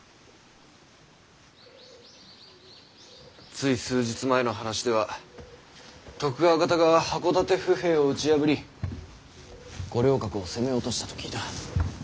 つい数日前の話では徳川方が箱館府兵を打ち破り五稜郭を攻め落としたと聞いた。